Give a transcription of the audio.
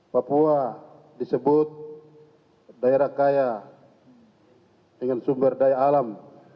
papua disebut daerah kaya dengan sumber daya alam